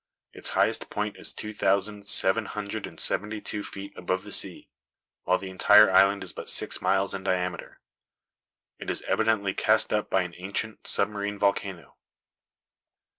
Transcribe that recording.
Its highest point is two thousand, seven hundred and seventy two feet above the sea, while the entire island is but six miles in diameter. It is evidently cast up by an ancient, submarine volcano.